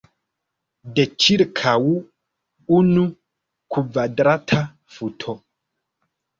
De ĉirkaŭ unu kvadrata futo.